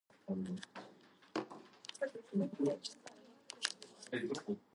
This created pollution as well as objectionable odors.